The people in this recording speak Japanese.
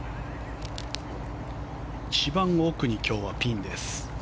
一番奥に今日はピンです。